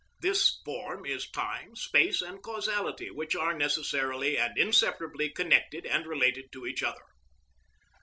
This form is time, space, and causality, which are necessarily and inseparably connected and related to each other.